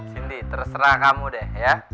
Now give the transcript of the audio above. cindy terserah kamu deh ya